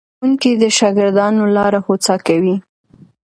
ښوونکي د شاګردانو لاره هوسا کوي.